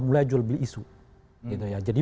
mulai jual beli isu jadi